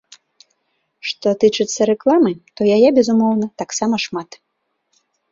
Што тычыцца рэкламы, то яе, безумоўна, таксама шмат.